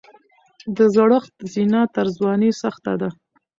د زړښت زینه تر ځوانۍ سخته ده.